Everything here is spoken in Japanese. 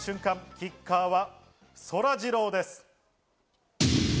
キッカーは、そらジローです。